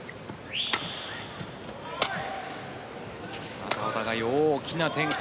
またお互いに大きな展開。